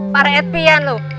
para etpian loh